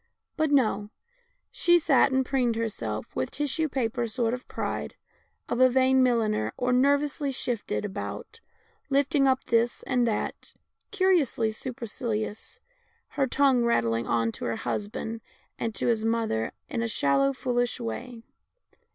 But no, she sat and preened herself with the tissue paper sort of pride of a vain milliner, or nervously shifted about, lifting up this and that, curiously supercilious, her tongue rattling on to her husband and to his mother in a shallow, fool ish way.